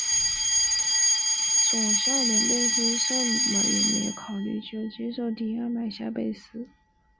佐孝连贝斯是甚么也没考虑就接受提案买下贝斯。